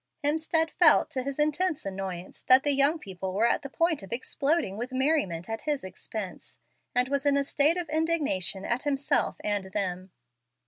Hemstead felt, to his intense annoyance, that the young people were at the point of exploding with merriment at his expense, and was in a state of indignation at himself and them.